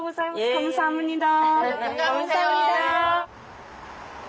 カムサハムニダ。